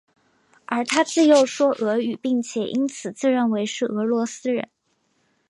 而他自幼说俄语并且因此自认为是俄罗斯人。